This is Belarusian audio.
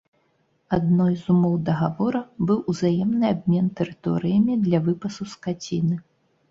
Адной з умоў дагавора быў узаемны абмен тэрыторыямі для выпасу скаціны.